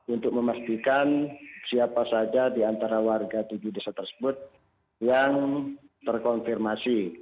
untuk memastikan siapa saja di antara warga tujuh desa tersebut yang terkonfirmasi